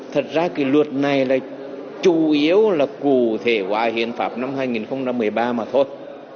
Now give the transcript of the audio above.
thật ra cái luật này là chủ yếu là cụ thể hóa hiến pháp năm hai nghìn một mươi ba mà thôi